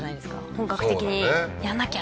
本格的にやんなきゃ！